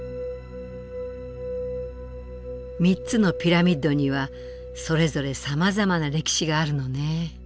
３つのピラミッドにはそれぞれさまざまな歴史があるのね。